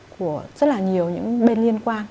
của rất là nhiều những bên liên quan